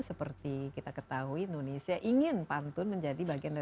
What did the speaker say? seperti kita ketahui indonesia ingin pantun menjadi bagian negara